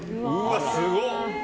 すごっ！